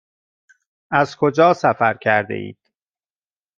از کجا سفر کرده اید؟